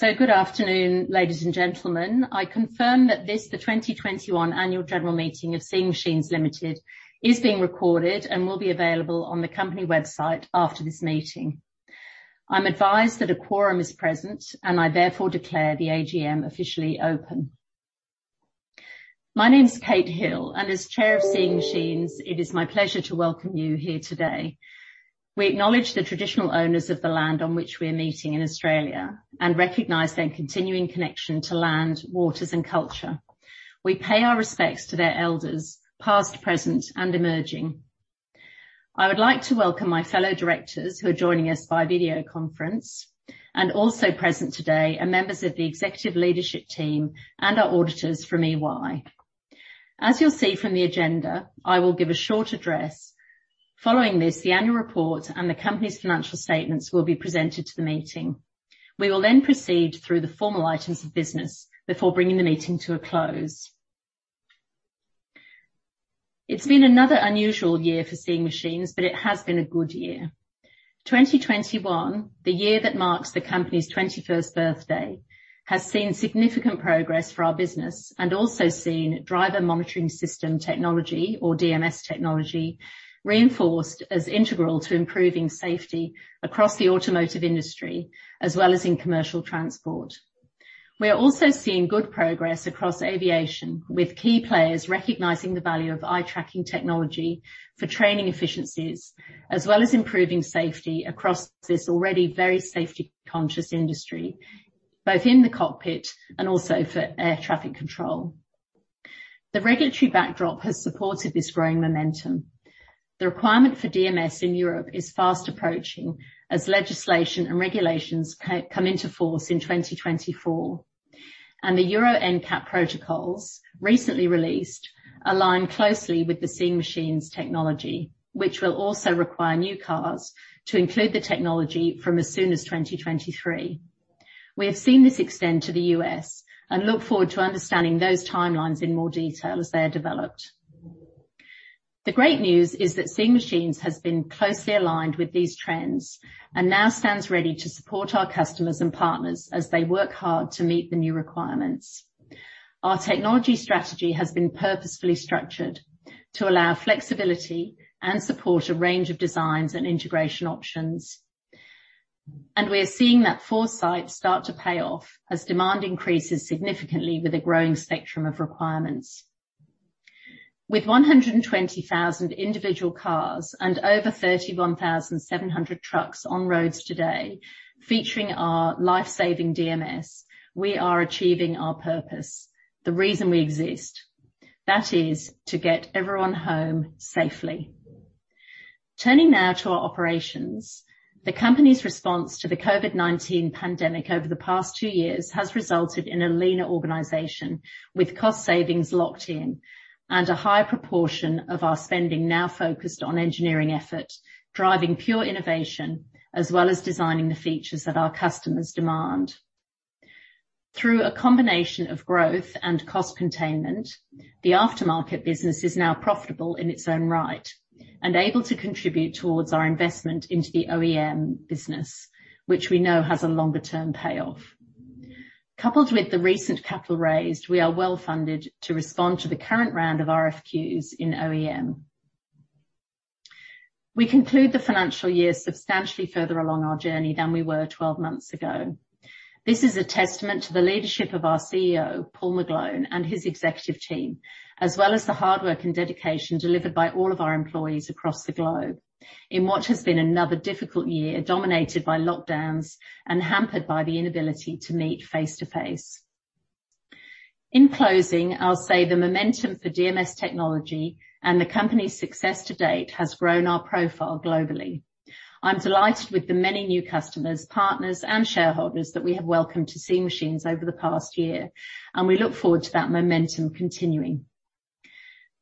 Good afternoon, ladies and gentlemen. I confirm that this, the 2021 annual general meeting of Seeing Machines Limited is being recorded and will be available on the company website after this meeting. I'm advised that a quorum is present, and I therefore declare the AGM officially open. My name is Kate Hill, and as Chair of Seeing Machines, it is my pleasure to welcome you here today. We acknowledge the traditional owners of the land on which we are meeting in Australia, and recognize their continuing connection to land, waters, and culture. We pay our respects to their elders, past, present, and emerging. I would like to welcome my fellow directors who are joining us by video conference, and also present today are members of the executive leadership team and our auditors from EY. As you'll see from the agenda, I will give a short address. Following this, the annual report and the company's financial statements will be presented to the meeting. We will then proceed through the formal items of business before bringing the meeting to a close. It's been another unusual year for Seeing Machines, but it has been a good year. 2021, the year that marks the company's 21st birthday, has seen significant progress for our business and also seen driver monitoring system technology or DMS technology reinforced as integral to improving safety across the automotive industry as well as in commercial transport. We are also seeing good progress across aviation, with key players recognizing the value of eye-tracking technology for training efficiencies as well as improving safety across this already very safety-conscious industry, both in the cockpit and also for air traffic control. The regulatory backdrop has supported this growing momentum. The requirement for DMS in Europe is fast approaching as legislation and regulations come into force in 2024. The Euro NCAP protocols, recently released, align closely with the Seeing Machines technology, which will also require new cars to include the technology from as soon as 2023. We have seen this extend to the U.S., and look forward to understanding those timelines in more detail as they are developed. The great news is that Seeing Machines has been closely aligned with these trends, and now stands ready to support our customers and partners as they work hard to meet the new requirements. Our technology strategy has been purposefully structured to allow flexibility and support a range of designs and integration options. We are seeing that foresight start to pay off as demand increases significantly with a growing spectrum of requirements. With 120,000 individual cars and over 31,700 trucks on roads today featuring our life-saving DMS, we are achieving our purpose, the reason we exist. That is to get everyone home safely. Turning now to our operations, the company's response to the COVID-19 pandemic over the past two years has resulted in a leaner organization with cost savings locked in and a high proportion of our spending now focused on engineering effort, driving pure innovation as well as designing the features that our customers demand. Through a combination of growth and cost containment, the aftermarket business is now profitable in its own right and able to contribute towards our investment into the OEM business, which we know has a longer-term payoff. Coupled with the recent capital raise, we are well funded to respond to the current round of RFQs in OEM. We conclude the financial year substantially further along our journey than we were 12 months ago. This is a testament to the leadership of our CEO, Paul McGlone, and his executive team, as well as the hard work and dedication delivered by all of our employees across the globe in what has been another difficult year, dominated by lockdowns and hampered by the inability to meet face-to-face. In closing, I'll say the momentum for DMS technology and the company's success to date has grown our profile globally. I'm delighted with the many new customers, partners, and shareholders that we have welcomed to Seeing Machines over the past year, and we look forward to that momentum continuing.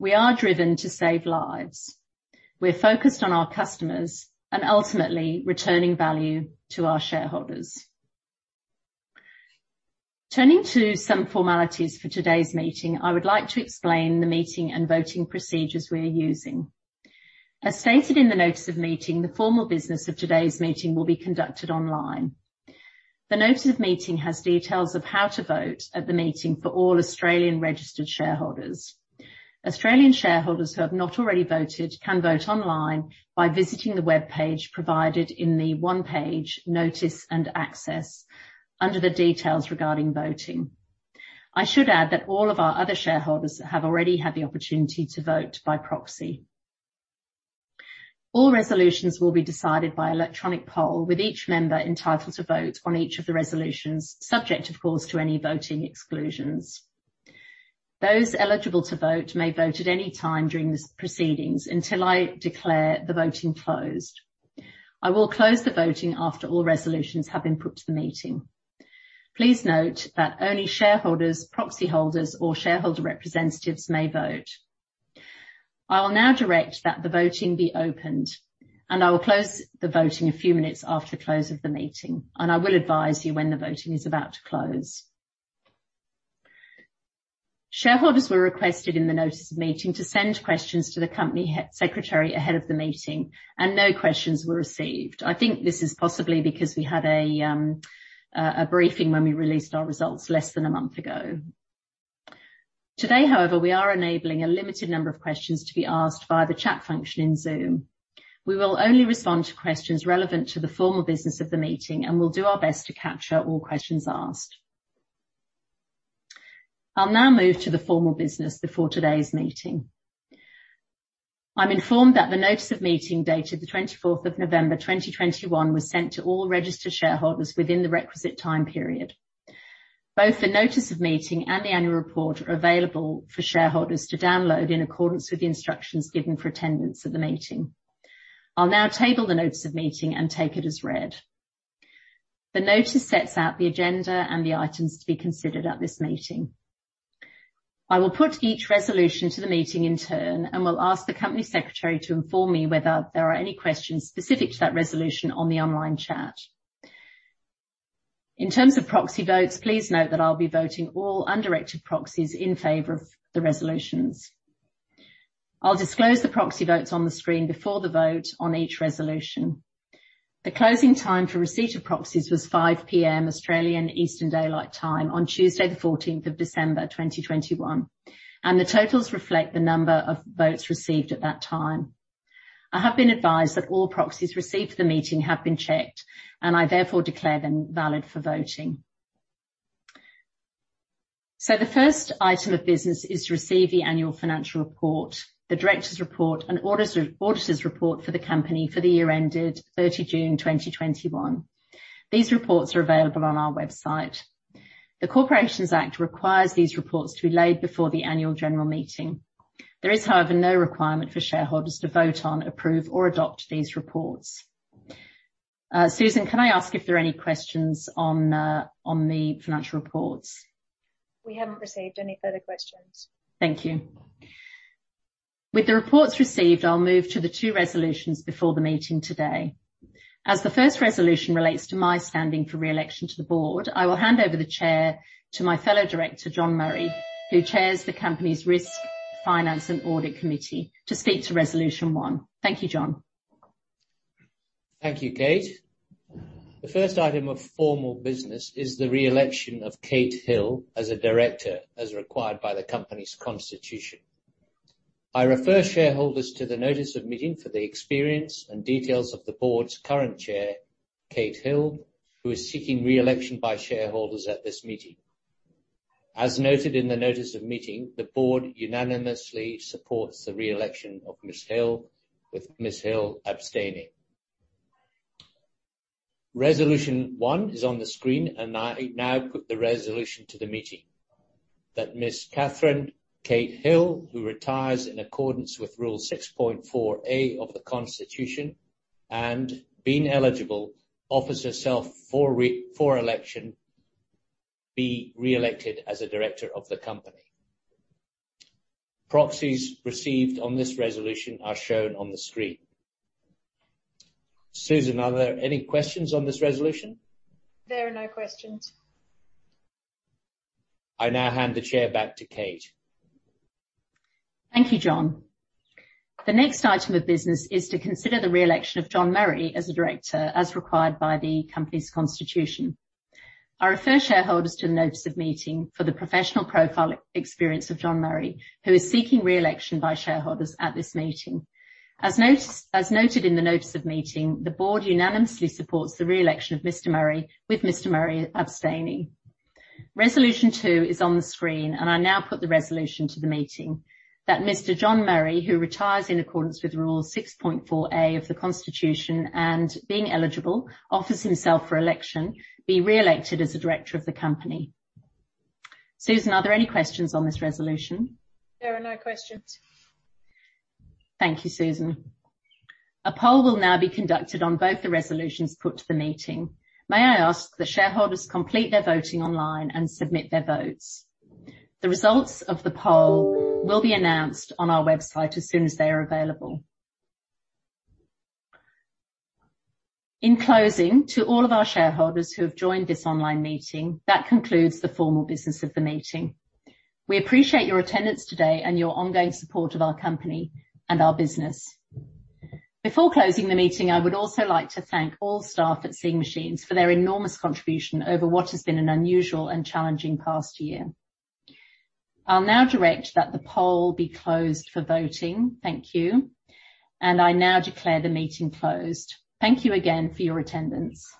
We are driven to save lives. We're focused on our customers and ultimately returning value to our shareholders. Turning to some formalities for today's meeting, I would like to explain the meeting and voting procedures we are using. As stated in the notice of meeting, the formal business of today's meeting will be conducted online. The notice of meeting has details of how to vote at the meeting for all Australian registered shareholders. Australian shareholders who have not already voted can vote online by visiting the webpage provided in the one-page notice and access under the details regarding voting. I should add that all of our other shareholders have already had the opportunity to vote by proxy. All resolutions will be decided via electronic poll, with each member entitled to vote on each of the resolutions, subject of course to any voting exclusions. Those eligible to vote may vote at any time during these proceedings until I declare the voting closed. I will close the voting after all resolutions have been put to the meeting. Please note that only shareholders, proxy holders or shareholder representatives may vote. I will now direct that the voting be opened, and I will close the voting a few minutes after the close of the meeting, and I will advise you when the voting is about to close. Shareholders were requested in the notice of meeting to send questions to the company head secretary ahead of the meeting, and no questions were received. I think this is possibly because we had a briefing when we released our results less than a month ago. Today, however, we are enabling a limited number of questions to be asked via the chat function in Zoom. We will only respond to questions relevant to the formal business of the meeting, and we'll do our best to capture all questions asked. I'll now move to the formal business before today's meeting. I'm informed that the notice of meeting dated the 24th of November, 2021, was sent to all registered shareholders within the requisite time period. Both the notice of meeting and the annual report are available for shareholders to download in accordance with the instructions given for attendance of the meeting. I'll now table the notice of meeting and take it as read. The notice sets out the agenda and the items to be considered at this meeting. I will put each resolution to the meeting in turn, and will ask the Company Secretary to inform me whether there are any questions specific to that resolution on the online chat. In terms of proxy votes, please note that I'll be voting all undirected proxies in favor of the resolutions. I'll disclose the proxy votes on the screen before the vote on each resolution. The closing time for receipt of proxies was 5:00 P.M. Australian Eastern Daylight Time on Tuesday, the 14th of December 2021, and the totals reflect the number of votes received at that time. I have been advised that all proxies received for the meeting have been checked, and I therefore declare them valid for voting. The first item of business is to receive the annual financial report, the director's report and auditor's report for the company for the year ended June 30, 2021. These reports are available on our website. The Corporations Act requires these reports to be laid before the annual general meeting. There is, however, no requirement for shareholders to vote on, approve or adopt these reports. Susan, can I ask if there are any questions on the financial reports? We haven't received any further questions. Thank you. With the reports received, I'll move to the two resolutions before the meeting today. As the first resolution relates to my standing for re-election to the Board, I will hand over the chair to my fellow director, John Murray, who chairs the company's Risk, Audit & Finance Committee, to speak to resolution one. Thank you, John. Thank you, Kate. The first item of formal business is the re-election of Kate Hill as a director, as required by the company's constitution. I refer shareholders to the notice of meeting for the experience and details of the board's current chair, Kate Hill, who is seeking re-election by shareholders at this meeting. As noted in the notice of meeting, the board unanimously supports the re-election of Ms. Hill, with Ms. Hill abstaining. Resolution 1 is on the screen, and I now put the resolution to the meeting that Ms. Catherine Kate Hill, who retires in accordance with rule 6.4A of the Constitution and being eligible, offers herself for election, be re-elected as a director of the company. Proxies received on this resolution are shown on the screen. Susan, are there any questions on this resolution? There are no questions. I now hand the chair back to Kate. Thank you, John. The next item of business is to consider the re-election of John Murray as a director, as required by the company's constitution. I refer shareholders to the notice of meeting for the professional profile and experience of John Murray, who is seeking re-election by shareholders at this meeting. As noted in the notice of meeting, the board unanimously supports the re-election of Mr. Murray, with Mr. Murray abstaining. Resolution 2 is on the screen, and I now put the resolution to the meeting that Mr. John Murray, who retires in accordance with rule 6.4A of the Constitution and being eligible, offers himself for election, be re-elected as a director of the company. Susan, are there any questions on this resolution? There are no questions. Thank you, Susan. A poll will now be conducted on both the resolutions put to the meeting. May I ask that shareholders complete their voting online and submit their votes? The results of the poll will be announced on our website as soon as they are available. In closing, to all of our shareholders who have joined this online meeting, that concludes the formal business of the meeting. We appreciate your attendance today and your ongoing support of our company and our business. Before closing the meeting, I would also like to thank all staff at Seeing Machines for their enormous contribution over what has been an unusual and challenging past year. I'll now direct that the poll be closed for voting. Thank you. I now declare the meeting closed. Thank you again for your attendance.